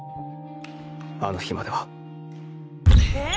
あの日までは。